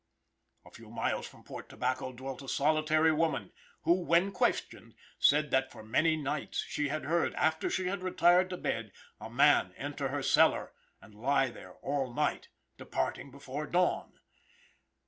] A few miles from Port Tobacco dwelt a solitary woman, who, when questioned, said that for many nights she had heard, after she had retired to bed, a man enter her cellar and lie there all night, departing before dawn.